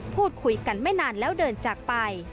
พูดคุยกันไม่นานแล้วเดินจากไป